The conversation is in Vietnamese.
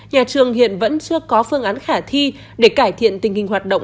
nhà trường hiện vẫn chưa có phương án khả thi để cải thiện tình hình hoạt động